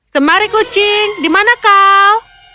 kemari kucing dimana kau